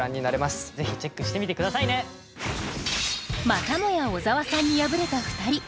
またもや小沢さんに敗れた２人。